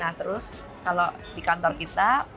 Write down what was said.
nah terus kalau di kantor kita